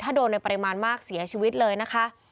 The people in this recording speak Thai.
ถ้าโดนในปริมาณมากเสียชีวิตเลยนะคะ